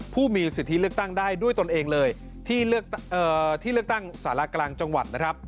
ผู้มีสิทธิเลือกตั้งได้ด้วยตนเองเลยที่เลือกตั้งสารกลางจังหวัดนะครับ